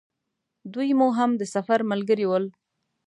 دوی مو هم د سفر ملګري ول.